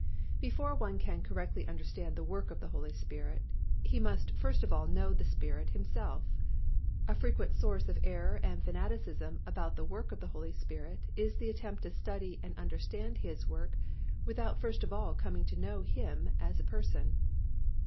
Before one can correctly understand the work of the Holy Spirit, he must first of all know the Spirit Himself. A frequent source of error and fanaticism about the work of the Holy Spirit is the attempt to study and understand His work without first of all coming to know Him as a Person.